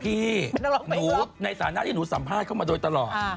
พี่หนูในฐานะที่หนูสัมภาษณ์เข้ามาโดยตลอด